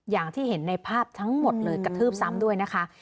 อย่างที่เห็นในภาพทั้งหมดเลยกระทืบซ้ำด้วยนะคะ